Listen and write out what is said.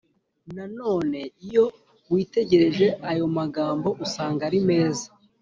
Nanone iyo witegereje ayo magambo usanga ari meza